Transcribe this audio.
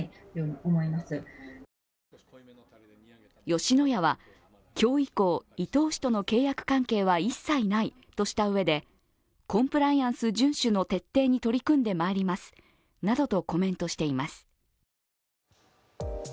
吉野家は今日以降、伊東氏との契約関係は一切ないとしたうえでコンプライアンス順守の徹底に取り組んでまいりますなどとコメントしています。